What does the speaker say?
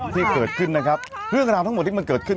ที่เกิดขึ้นนะครับเรื่องราวทั้งหมดที่มันเกิดขึ้น